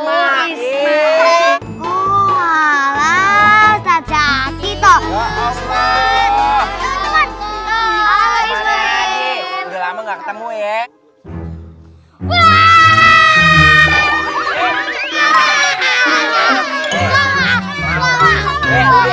udah lama nggak ketemu ya